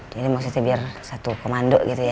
jadi maksudnya biar satu komando gitu ya